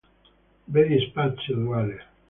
Vedi spazio duale.